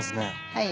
はい。